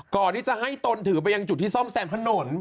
ก่อนที่จะให้ตนถือไปยังจุดที่ซ่อมแซมถนน